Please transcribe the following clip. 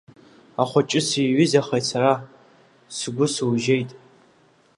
Ахәыҷы сиҩызахеит сара, сгәы сужьеит!